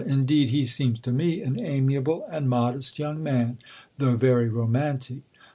Indeed, he seems to me an amiable and modest young man, though very romantic.